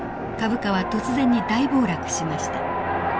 株価は突然に大暴落しました。